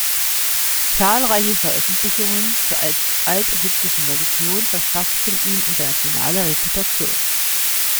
Zahlreiche Veröffentlichungen zur altägyptischen Religion verschafften ihm internationale Reputation.